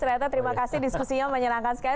ternyata terima kasih diskusinya menyenangkan sekali